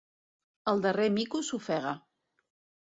El darrer mico s'ofega.